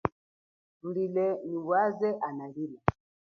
Thulile nyi waze analila.